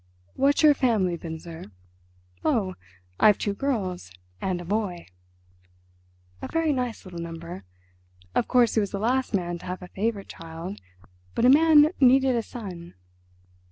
"What's your family, Binzer?" "Oh, I've two girls and a boy!" A very nice little number. Of course he was the last man to have a favourite child, but a man needed a son.